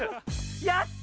やった。